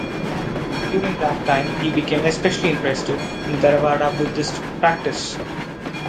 During that time he became especially interested in Theravada Buddhist practice.